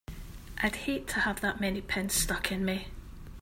I'd hate to have that many pins stuck in me!